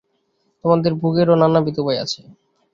তোমাদের ভোগেরও নানাবিধ উপায় আছে।